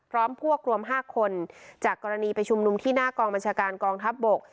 พร้อมพวกรวม๕คนจากกรณีไปชุมนุมที่หน้ากองบัญชาการกองทัพบก